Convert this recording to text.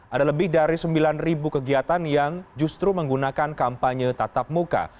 ada lebih dari sembilan kegiatan yang justru menggunakan kampanye tatap muka